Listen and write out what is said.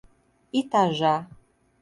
Itajá